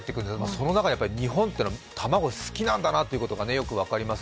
その中で日本というのは卵が好きなんだなということがよく分かります。